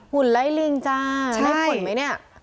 หุ่นไล่ลิงจ้าได้หุ่นไหมเนี่ย